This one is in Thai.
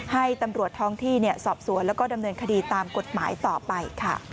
ให้ตำรวจท้องที่สอบสวนแล้วก็ดำเนินคดีตามกฎหมายต่อไปค่ะ